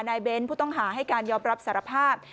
เบ้นผู้ต้องหาให้การยอมรับสารภาพ